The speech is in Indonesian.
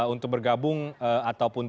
untuk bergabung ataupun